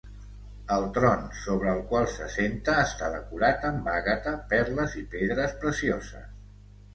El tron sobre el qual se senta està decorat amb àgata, perles i pedres precioses.